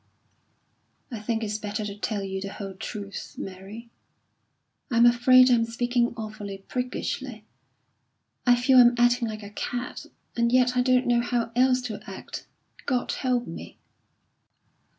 "I think it's better to tell you the whole truth, Mary; I'm afraid I'm speaking awfully priggishly. I feel I'm acting like a cad, and yet I don't know how else to act. God help me!"